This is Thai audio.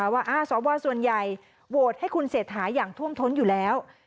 ว่าสวส่วนใหญ่โหวตให้คุณเศรษฐาอย่างท่วมท้นอยู่แล้ว